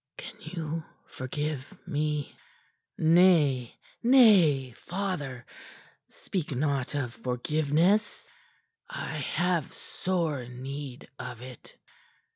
Can you forgive me?" "Nay, nay, father! Speak not of forgiveness." "I have sore need of it."